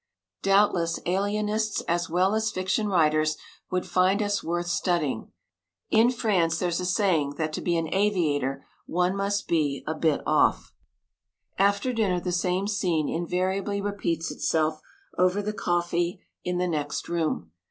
Doubtless alienists as well as fiction writers would find us worth studying. In France there's a saying that to be an aviator one must be a bit "off." After dinner the same scene invariably repeats itself, over the coffee in the "next room."